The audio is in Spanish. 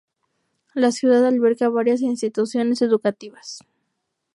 La ciudad alberga varias instituciones educativas.